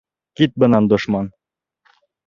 Кит бынан, дошман!